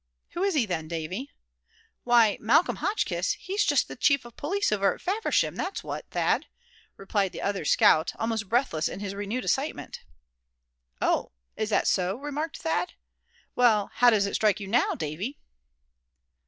"Who is he, then, Davy?" "Why, Malcolm Hotchkiss, he's just the Chief of Police over at Faversham, that's what, Thad," replied the other scout, almost breathless in his renewed excitement. "Oh; is that so?" remarked Thad. "Well, how does it strike you now, Davy?"